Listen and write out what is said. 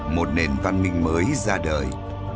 một nền văn minh mới ra đời